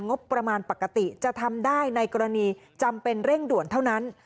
งบประมาณปกติจะทำได้ในกรณีจำเป็นเร่งด่วนเท่านั้น